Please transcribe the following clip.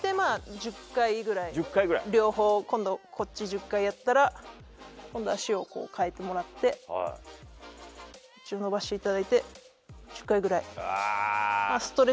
こっち１０回やったら足を替えてもらって伸ばしていただいて１０回ぐらい。